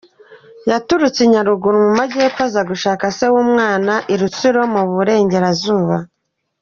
Yaturutse i Nyaruguru mu Majyepfo aza gushakisha se w’umwana i Rutsiro mu Burengerazuba.